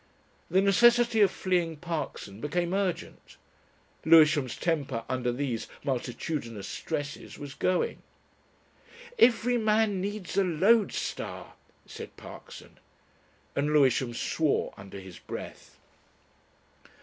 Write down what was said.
The necessity of fleeing Parkson became urgent Lewisham's temper under these multitudinous stresses was going. "Every man needs a Lode Star," said Parkson and Lewisham swore under his breath.